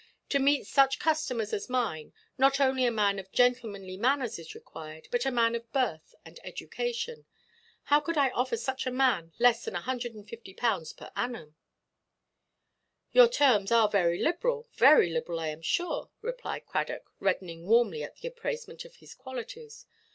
To meet such customers as mine, not only a man of gentlemanly manners is required, but a man of birth and education. How could I offer such a man less than 150_l._ per annum?" "Your terms are very liberal, very liberal, I am sure," replied Cradock, reddening warmly at the appraisement of his qualities.